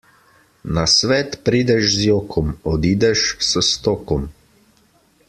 Na svet prideš z jokom, odideš s stokom.